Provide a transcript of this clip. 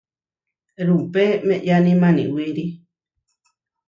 Rupe meʼyáni Maniwíri.